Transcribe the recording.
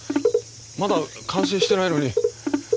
まだ完成してないのに。